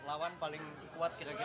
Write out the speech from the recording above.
pelawan paling kuat masih thailand